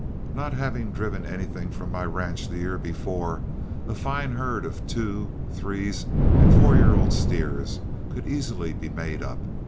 Not having driven anything from my ranch the year before, a fine herd of twos, threes, and four year old steers could easily be made up.